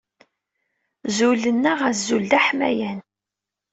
Zulen-aɣ azul d aḥmayan.